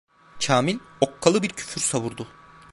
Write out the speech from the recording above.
Kamil okkalı bir küfür savurdu.